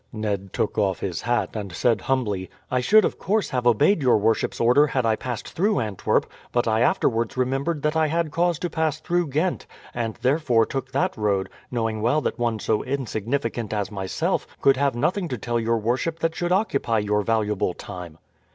Ned took off his hat, and said humbly, "I should of course have obeyed your worship's order had I passed through Antwerp; but I afterwards remembered that I had cause to pass through Ghent, and therefore took that road, knowing well that one so insignificant as myself could have nothing to tell your worship that should occupy your valuable time."